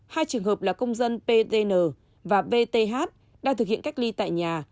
hai trường hợp là công dân ptn và bth đang thực hiện cách ly tại nhà